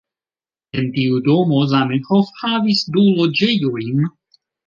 En tiu domo Zamenhof havis du loĝejojn.